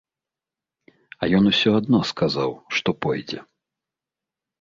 А ён усё адно сказаў, што пойдзе.